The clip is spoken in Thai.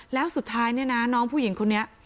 แล้วสุดท้ายเนี่ยนะน้องผู้หญิงคนนี้